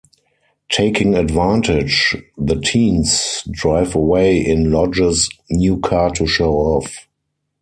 Taking advantage, the teens drive away in Lodge's new car to show off.